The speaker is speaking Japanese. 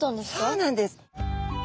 そうなんです。